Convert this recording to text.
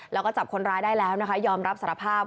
แล้วก็จับคนร้ายได้แล้วยอมรับกลับรับสารภาพ